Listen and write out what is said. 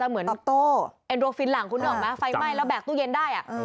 เอ็นโรฟินนท์หลังขึ้นไว้ไฟไหมแล้วแบกตู้เย็นได้